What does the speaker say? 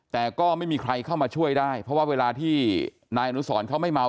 แต่ก็ไม่มีใครเข้ามาช่วยได้เพราะว่าเวลาที่นายอนุสรเขาไม่เมา